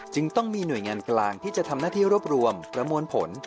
จึงต้องมีหน่วยงานกลางที่จะทำหน้าที่รวบรวมประมวลผล